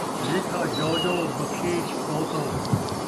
لیکھا جَو جَو ، بخشیش سو سو